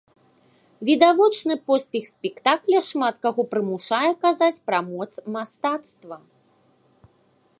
Відавочны поспех спектакля шмат каго прымушае казаць пра моц мастацтва.